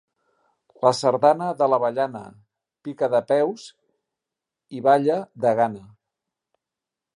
La sardana de l'avellana: pica de peus i balla de gana.